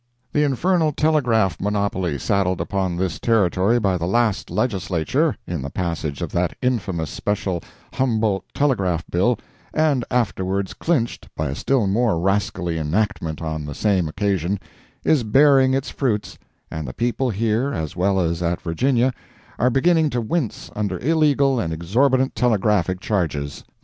The infernal telegraph monopoly saddled upon this Territory by the last Legislature, in the passage of that infamous special Humboldt telegraph bill, and afterwards clinched by a still more rascally enactment on the same occasion, is bearing its fruits, and the people here, as well as at Virginia, are beginning to wince under illegal and exorbitant telegraphic charges.